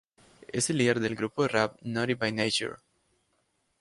Es el líder del grupo de rap Naughty by Nature.